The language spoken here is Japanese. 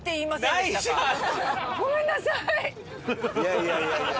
いやいやいやいや。